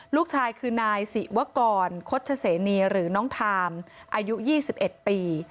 ลูกชายคือนายศิวกรโฆษเสนีหรือน้องทามอายุ๒๑ปี